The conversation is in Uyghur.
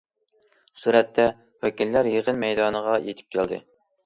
سۈرەتتە: ۋەكىللەر يىغىن مەيدانىغا يېتىپ كەلدى.